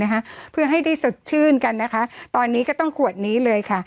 นะคะเพื่อให้ได้สดชื่นกันนะคะตอนนี้ก็ต้องขวดนี้เลยค่ะ